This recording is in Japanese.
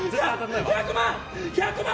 １００万！